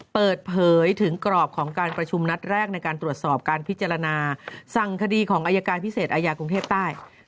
เปิดเผยถึงกรอบของการประชุมนัดแรกในการตรวจสอบการพิจารณาสั่งคดีของอายการพิเศษอายากรุงเทพใต้